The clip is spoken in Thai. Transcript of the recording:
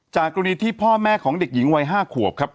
กรณีที่พ่อแม่ของเด็กหญิงวัย๕ขวบครับ